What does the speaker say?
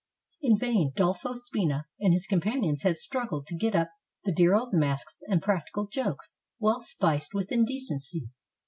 In vain Dolfo Spina and his companions had struggled to get up the dear old masks and practical jokes, well spiced with indecency.